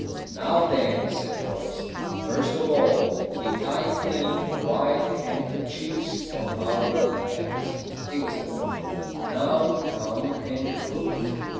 "Now, then," said Rose, "first of all, we tie clean white handkerchiefs on our heads." It was done. "Now, come and look."